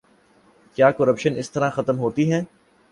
کیا کرپشن اس طرح ختم ہوتی ہے؟